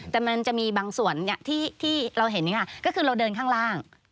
แต่มันจะมีบางส่วนที่เราเห็นก็คือเราเดินข้างล่าง